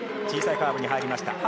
小さいカーブに入りました。